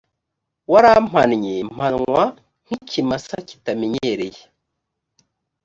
warampannye mpanwa nk ikimasa kitamenyereye